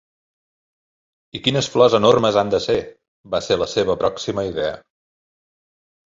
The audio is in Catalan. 'I quines flors enormes han de ser! 'va ser la seva pròxima idea.